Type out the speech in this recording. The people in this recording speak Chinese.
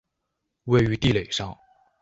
位于地垒上。